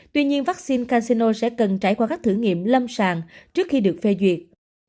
tuy nhiên vaccine casino sẽ cần trải qua các thử nghiệm lâm sàng trước khi được phê duyệt